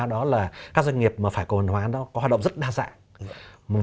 đó là các doanh nghiệp mà phải cổ phần hóa nó có hoạt động rất đa dạng